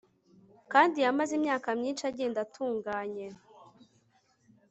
kandi yamaze imyaka myinshi agenda atunganye